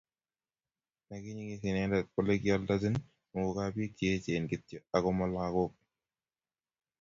nekiinyekis inende kole kioldochini muguka biik che echen kityo ako mo lakoik